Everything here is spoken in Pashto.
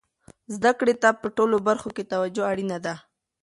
زده کړې ته په ټولو برخو کې توجه اړینه ده.